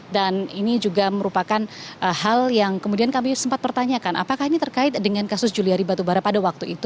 dan ini juga merupakan hal yang kemudian kami sempat pertanyakan apakah ini terkait dengan kasus juliari batubara pada waktu itu